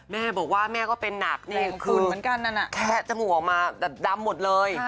แม่บอกว่าแม่ก็เป็นหนักนี่แคะจมูกออกมาแต่ดำหมดเลย